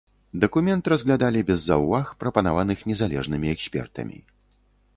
Дакумент разглядалі без заўваг, прапанаваных незалежнымі экспертамі.